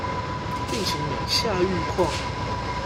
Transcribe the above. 病情每下愈況